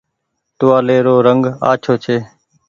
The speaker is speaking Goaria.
ٽوهآلي رو رنگ آڇو ڇي۔